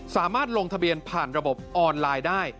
สามารถลงทะเบียนผ่านระบบออนไลน์ได้